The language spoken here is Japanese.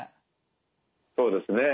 そうですね。